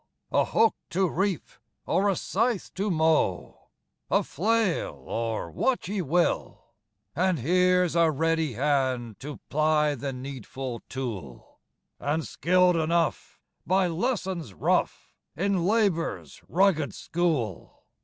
A hook to reap, or a scythe to mow, A flail, or what ye will And here's a ready hand To ply the needful tool, And skill'd enough, by lessons rough, In Labor's rugged school.